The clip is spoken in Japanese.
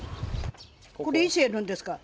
これいつやるんですか？